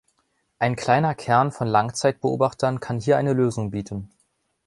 Ein kleiner Kern von Langzeitbeobachtern kann hier eine Lösung bieten.